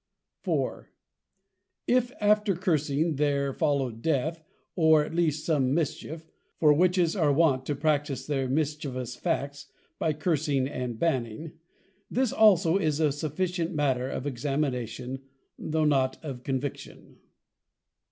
_ IV. _If after Cursing there follow Death, or at least some mischief: for +Witches+ are wont to practise their mischievous Facts, by Cursing and Banning: This also is a sufficient matter of Examination, tho' not of Conviction.